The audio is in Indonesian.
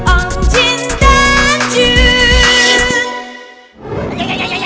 om jin dan jun